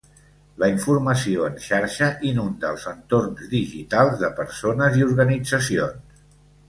La informació en xarxa inunda els entorns digitals de persones i organitzacions.